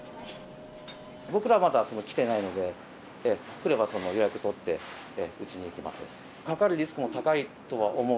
僕らはまだ来ていないので、来れば予約取って、打ちに行きます。